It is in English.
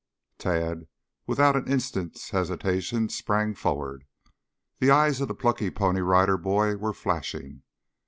Tad, without an instant's hesitation, sprang forward. The eyes of the plucky Pony Rider Boy were flashing.